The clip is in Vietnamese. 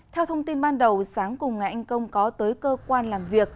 theo thông tin ban đầu sáng cùng ngày anh công có tới cơ quan làm việc